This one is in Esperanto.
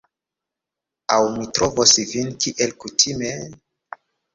Aŭ mi trovos vin kiel kutime...